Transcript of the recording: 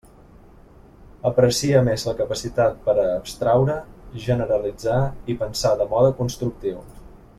Aprecia més la capacitat per a abstraure, generalitzar i pensar de mode constructiu.